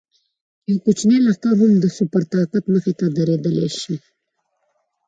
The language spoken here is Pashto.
یو کوچنی لښکر هم د سوپر طاقت مخې ته درېدلی شي.